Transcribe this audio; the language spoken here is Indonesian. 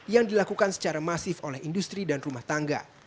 yang dilakukan secara masif oleh industri dan rumah tangga